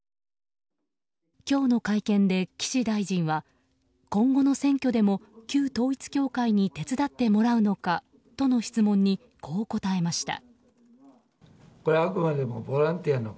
今日の会見で岸大臣は今後の選挙でも旧統一教会に手伝ってもらうのかとの質問にこう答えました。